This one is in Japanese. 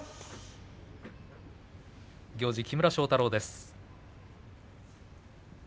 行司は木村庄太郎です。